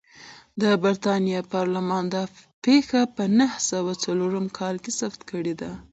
د برېټانیا پارلمان دا پېښه په نهه سوه څلورم کال کې ثبت کړې ده.